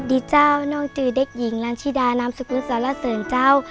สวัสดีเจ้าน้องจือเด็กหญิงลันชิดานามศุกรุณสวรรคเสริญเจ้า